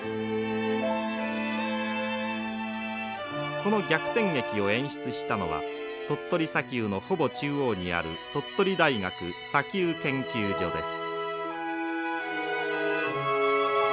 この逆転劇を演出したのは鳥取砂丘のほぼ中央にある鳥取大学砂丘研究所です。